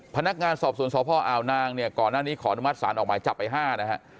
พนักงานสอบสวนสพอาวนางเนี่ยก่อนหน้านี้ขออนุมัติศาลออกหมายจับไป๕นะฮะ